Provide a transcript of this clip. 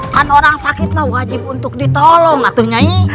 kan orang sakit mah wajib untuk ditolong atu nyai